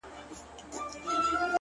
• يې ياره شرموه مي مه ته هرڅه لرې ياره ـ